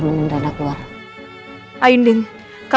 mama gak kenapa kenapa kok ya